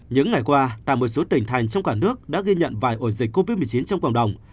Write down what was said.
những ngày qua tại một số tỉnh thành trong cả nước đã ghi nhận vài ổ dịch covid một mươi chín trong cộng đồng